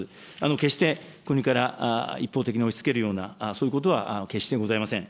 決して国から一方的に押しつけるような、そういうことは決してございません。